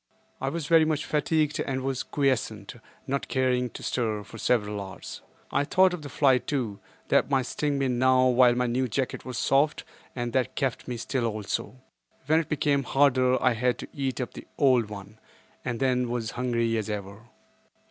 I was very much fatigued and was quiescent, not caring to stir, for several hours. I thought of the fly too, that might sting me now while my new jacket was soft, and that kept me still also. When it became harder I had to eat up the old one, and then was hungry as ever.